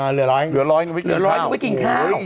เหลือ๑๐๐นางไม่กินข้าว